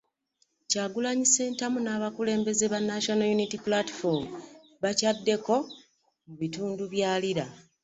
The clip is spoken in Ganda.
Kyagulanyi Ssentamu n'abakulembeze ba National Unity Platform bakyaddeko mu bitundu bya Lira.